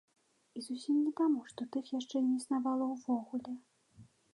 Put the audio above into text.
І зусім не таму, што тых яшчэ не існавала ўвогуле.